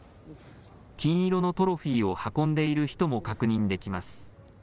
金色のトロフィーを運んでいる人も確認できます。